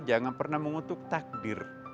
jangan pernah mengutuk takdir